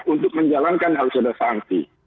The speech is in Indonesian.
untuk menjalankan harus ada sanksi